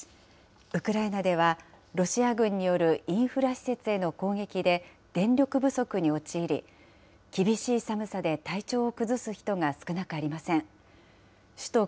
ウクライナではロシア軍によるインフラ施設への攻撃で電力不足に陥り、厳しい寒さで体調を崩す人が少なくありません。